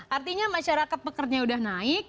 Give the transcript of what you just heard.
artinya masyarakat pekerja sudah naik